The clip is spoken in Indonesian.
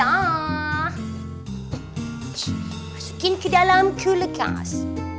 masukin ke dalam kulkas